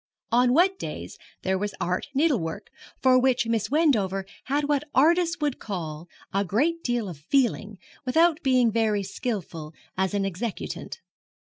On wet days there was art needlework, for which Miss Wendover had what artists would call a great deal of feeling, without being very skilful as an executant.